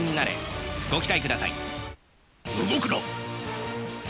動くな！